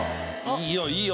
いいよいいよ。